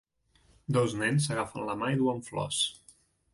dos nens s'agafen la mà i duen flors.